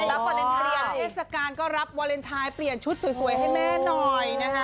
แล้วก่อนนั้นเปลี่ยนเทศกาลก็รับวาเลนไทยเปลี่ยนชุดสวยให้แม่หน่อย